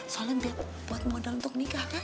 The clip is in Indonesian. soalnya buat modal untuk nikah kak